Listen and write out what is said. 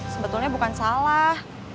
sebetulnya bukan salah